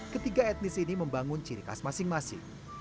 ketiga etnis ini membangun ciri khas masing masing